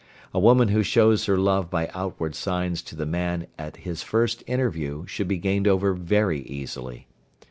A woman who shows her love by outward signs to the man at his first interview should be gained over very easily.